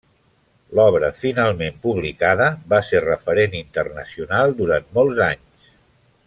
L'obra finalment publicada va ser referent internacional durant molts anys.